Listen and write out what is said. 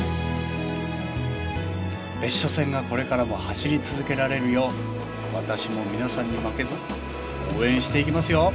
別所線がこれからも走り続けられるよう私も皆さんに負けず応援していきますよ！